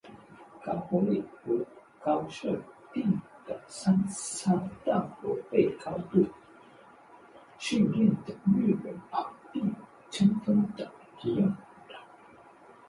高火力和高射程的三笠大炮被高度训练的日本炮兵充分地利用了。